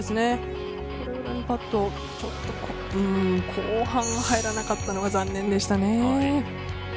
これぐらいのパットをちょっと、後半が入らなかったのが残念でしたね。